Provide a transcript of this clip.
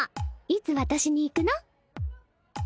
いつ渡しに行くの？